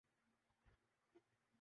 علاقے جو بہت زیادہ سرد ہوتے ہیں